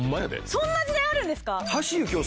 そんな時代あるんですか？